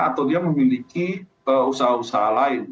atau dia memiliki usaha usaha lain